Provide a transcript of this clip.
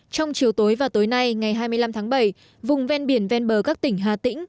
trong chiều tối và tối nay ngày hai mươi năm tháng bảy vùng ven biển ven bờ các tỉnh hà tĩnh